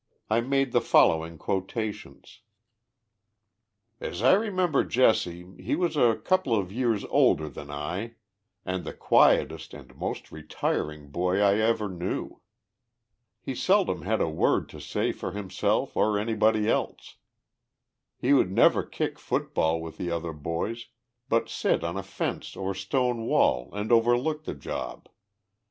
I made the following quotations : "As I remember Jesse, lie was a couple of years older than I, and the quietest and most retiring boy I ever knew. lie seldom had a word to say for himself or anybody else. lie would never kick foot ball with the other boys, but sit on a fence or stone wall and overlook the job.